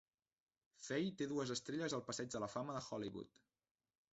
Fay té dues estrelles al Passeig de la fama de Hollywood.